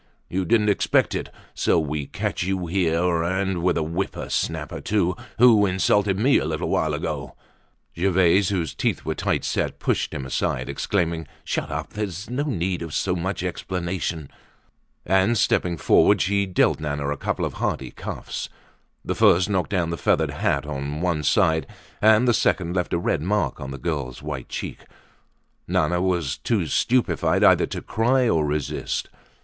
You didn't expect it. So we catch you here, and with a whipper snapper, too, who insulted me a little while ago!" Gervaise, whose teeth were tight set, pushed him aside, exclaiming, "Shut up. There's no need of so much explanation." And, stepping forward, she dealt Nana a couple of hearty cuffs. The first knocked the feathered hat on one side, and the second left a red mark on the girl's white cheek. Nana was too stupefied either to cry or resist.